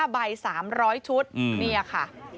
๕ใบ๓๐๐ชุดนี่ค่ะ